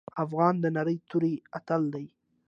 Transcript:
افغان د نرۍ توري اتل دی.